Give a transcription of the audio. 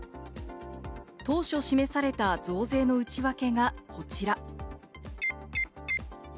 当初示された増税の内訳がこちら。